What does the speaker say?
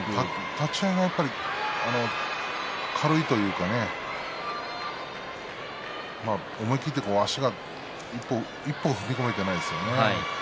立ち合いが軽いというかね思い切って足が一歩踏み込めていないですよね。